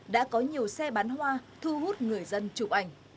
đã có nhiều xe bán hoa thu hút người dân chụp ảnh